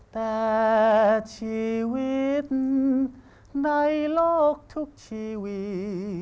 แต่ชีวิตในโลกทุกชีวิต